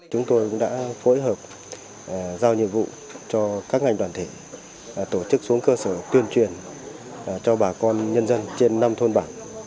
chúng tôi cũng đã phối hợp giao nhiệm vụ cho các ngành đoàn thể tổ chức xuống cơ sở tuyên truyền cho bà con nhân dân trên năm thôn bảng